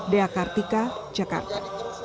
dea kartika jakarta